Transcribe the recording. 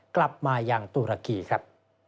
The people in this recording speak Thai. กลับมายังตุรกีครับ